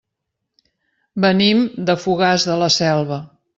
Venim de Fogars de la Selva.